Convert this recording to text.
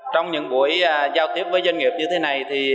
trong những buổi giao tiếp với doanh nghiệp như thế này